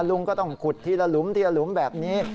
ลุงก็ต้องขุดทีละหลุมทีละหลุมแบบนี้